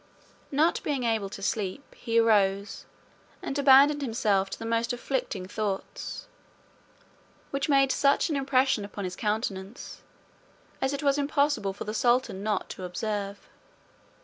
being able to sleep, he arose, and abandoned himself to the most afflicting thoughts, which made such an impression upon his countenance, as it was impossible for the sultan not to observe.